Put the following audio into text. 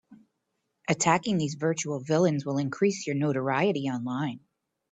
Attacking these virtual villains will increase your notoriety online.